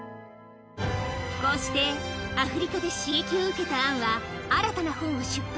こうしてアフリカで刺激を受けたアンは、新たな本を出版。